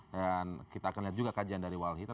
dan kita akan lihat juga kajian dari walhita